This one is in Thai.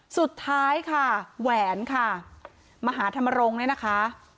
สุดท้ายค่ะแหวนค่ะมหาธรรมรงค์เนี่ยนะคะ